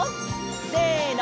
せの！